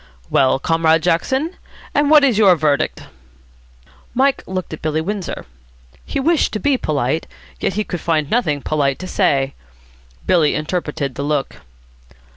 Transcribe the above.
"Well, Comrade Jackson, and what is your verdict?" Mike looked at Billy Windsor. He wished to be polite, yet he could find nothing polite to say. Billy interpreted the look.